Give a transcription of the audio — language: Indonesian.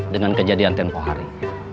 dengan kejadian tempo hari